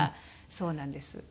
そうなんです。